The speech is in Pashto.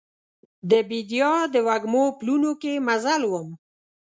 د بیدیا د وږمو پلونو کې مزل وم